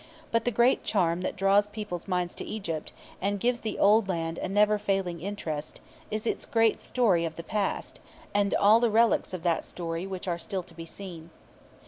But the great charm that draws people's minds to Egypt, and gives the old land a never failing interest, is its great story of the past, and all the relics of that story which are still to be seen.